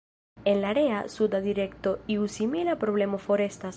En la rea, suda direkto iu simila problemo forestas.